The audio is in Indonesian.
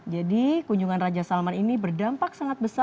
jadi kunjungan raja salman ini berdampak sangat besar